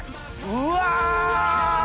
うわ！